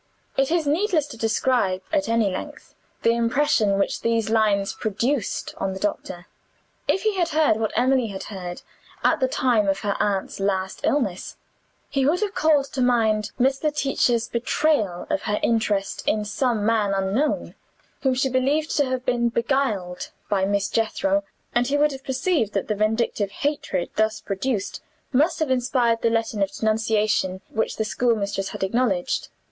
It is needless to describe, at any length, the impression which these lines produced on the doctor. If he had heard what Emily had heard at the time of her aunt's last illness, he would have called to mind Miss Letitia's betrayal of her interest in some man unknown, whom she believed to have been beguiled by Miss Jethro and he would have perceived that the vindictive hatred, thus produced, must have inspired the letter of denunciation which the schoolmistress had acknowledged.